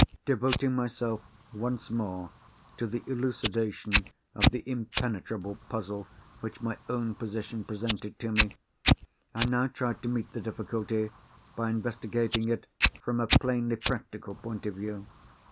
Devoting myself once more to the elucidation of the impenetrable puzzle which my own position presented to me, I now tried to meet the difficulty by investigating it from a plainly practical point of view.